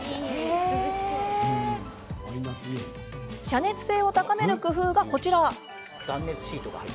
遮熱性を高める工夫は、こちら。